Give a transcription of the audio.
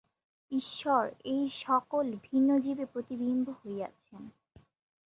ঈশ্বর এই-সকল বিভিন্ন জীবে প্রতিবিম্বিত হইয়াছেন।